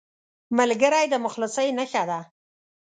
ملګری د مخلصۍ نښه ده